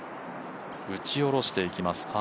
打ち下ろしていきます